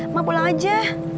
emak pulang aja